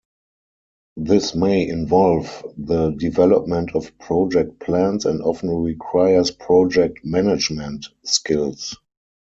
This may involve the development of project plans and often requires project management skills.